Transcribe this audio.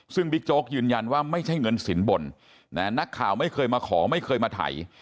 ซึ่งบิ๊กโจ๊กยืนยันว่าไม่ใช่เงินสินบนนักข่าวไม่เคยมาขอไม่เคยมาไถ